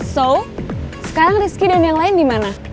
so sekarang rizky dan yang lain di mana